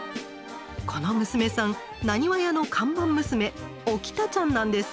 この娘さん難波屋の看板娘おきたちゃんなんです！